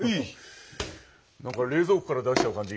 なんか冷蔵庫から出しちゃう感じ